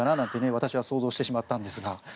私は想像してしまったのですが。